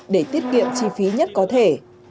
để tiết kiệm chi phí nhất có thể